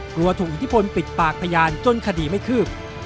กลัวถูกอิทธิพลปิดปากพยานจนคดีไม่คืบ